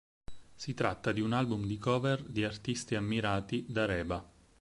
Si tratta di un album di cover di artisti ammirati da Reba.